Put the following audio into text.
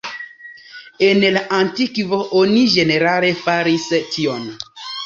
En la antikvo oni ĝenerale faris tion.